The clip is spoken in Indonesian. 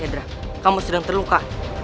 tiba sedra kamu sedang terluka